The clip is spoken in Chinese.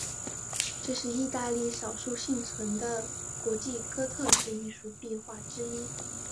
这是意大利少数幸存的国际哥特式艺术壁画之一。